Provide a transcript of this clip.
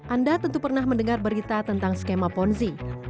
anda tentu pernah mendengar berita tentang skema ponzi